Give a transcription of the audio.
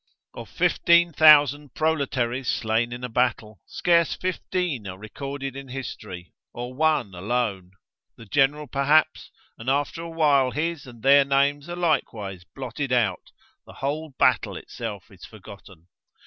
Of 15,000 proletaries slain in a battle, scarce fifteen are recorded in history, or one alone, the General perhaps, and after a while his and their names are likewise blotted out, the whole battle itself is forgotten.